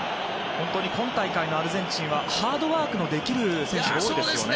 本当に今大会のアルゼンチンはハードワークのできる選手が多いですよね。